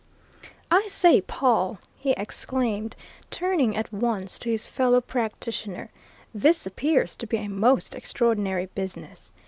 "I say, Pawle," he exclaimed, turning at once to his fellow practitioner, "this appears to be a most extraordinary business!